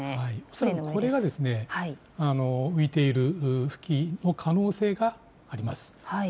恐らくこれが浮いている浮器の可能性があります。